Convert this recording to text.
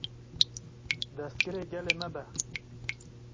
destgirê gelê me be!